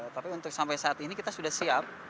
tapi untuk sampai saat ini kita sudah siap